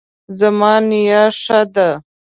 زما نیا ښه ده